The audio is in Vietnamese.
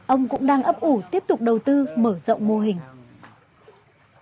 ông cũng đang ấp ủ tiếp tục đầu tư mở rộng mô hình